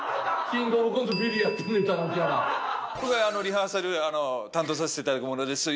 今回リハーサル担当させていただく者です。